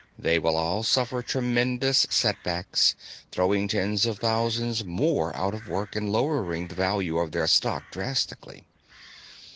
They will all suffer tremendous setbacks, throwing tens of thousands more out of work and lowering the value of their stock drastically.